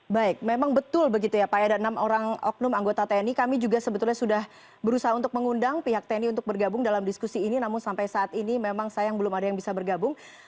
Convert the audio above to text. baik memang betul begitu ya pak ya ada enam orang oknum anggota tni kami juga sebetulnya sudah berusaha untuk mengundang pihak tni untuk bergabung dalam diskusi ini namun sampai saat ini memang sayang belum ada yang bisa bergabung